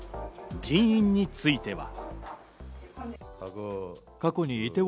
人員については。